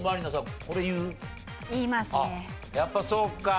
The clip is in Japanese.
やっぱりそうか。